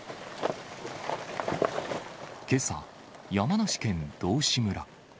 けさ、山梨県道志村。